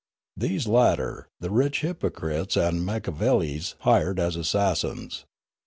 These latter, the rich hypo crites and macliiavellis hired as assassins.